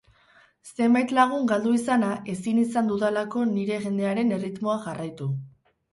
Zenbait lagun galdu izana, ezin izan dudalako nire jendearen erritmoa jarraitu.